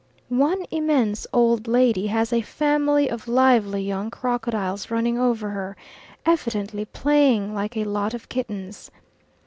One immense old lady has a family of lively young crocodiles running over her, evidently playing like a lot of kittens.